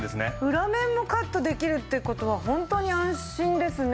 裏面もカットできるっていう事はホントに安心ですね。